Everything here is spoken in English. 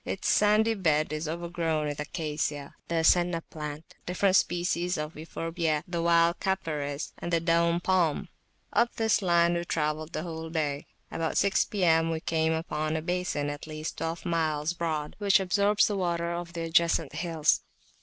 Its sandy bed is overgrown with Acacia, the Senna plant, different species of Euphorbiae, the wild Capparis, and the Daum Palm. Up this line we travelled the whole day. About six P.M., we came upon a basin at least twelve miles broad, which absorbs the water of the adjacent hills.